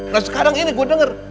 nah sekarang ini gue denger